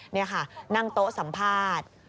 นี่ค่ะนั่งโต๊ะสัมภาษณ์